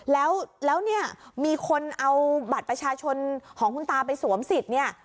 แล้วเนี่ยมีคนเอาบัตรประชาชนของคุณตาไปสวมสิทธิ์เนี่ย